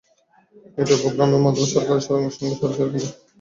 A two I প্রোগ্রামের মাধ্যমে সরকারের সঙ্গে সরাসরি কাজ করার সুযোগ পেয়েছে চালডাল।